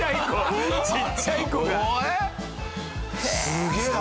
すげえな。